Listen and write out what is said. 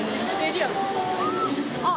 あっ！